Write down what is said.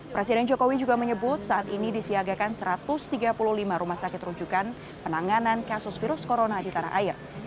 presiden jokowi juga menyebut saat ini disiagakan satu ratus tiga puluh lima rumah sakit rujukan penanganan kasus virus corona di tanah air